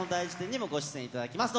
にもご出演いただきます。